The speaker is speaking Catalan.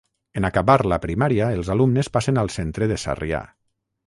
En acabar la primària els alumnes passen al centre de Sarrià.